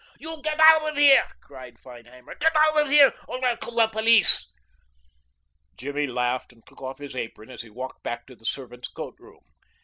"You get out of here!" cried Feinheimer, "Get out of here or I'll call the police." Jimmy laughed and took off his apron as he walked back to the servants' coat room.